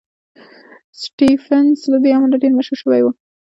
سټېفنس له دې امله ډېر مشهور شوی و.